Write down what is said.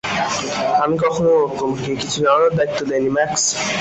আমি কখনো তোমাকে কিছু জানানোর দায়িত্ব দেইনি, ম্যাক্স।